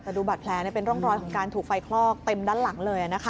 แต่ดูบาดแผลเป็นร่องรอยของการถูกไฟคลอกเต็มด้านหลังเลย